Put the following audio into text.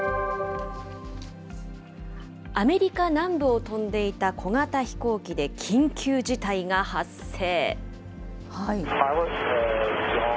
アメリカ南部を飛んでいた小型飛行機で緊急事態が発生。